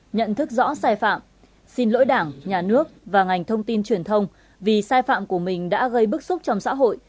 nhận thức rõ sai phạm xin lỗi đảng nhà nước và ngành thông tin truyền thông vì sai phạm của mình đã gây bức xúc trong xã hội